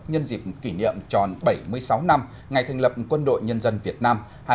nhân dịp kỷ niệm tròn bảy mươi sáu năm ngày thành lập quân đội nhân dân việt nam